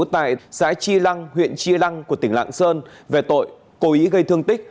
tại xã chi lăng huyện chi lăng của tỉnh lạng sơn về tội cố ý gây thương tích